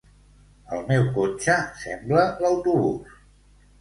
El meu cotxe sembla l'autobús